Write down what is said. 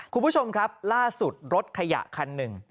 คุณผู้ชมครับล่าสุดรถขยะคันหนึ่ง